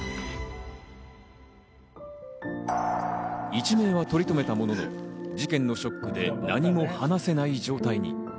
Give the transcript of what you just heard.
一命は取り留めたものの事件のショックで何も話せない状態に。